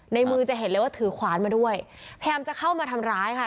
ในมือจะเห็นเลยว่าถือขวานมาด้วยพยายามจะเข้ามาทำร้ายค่ะ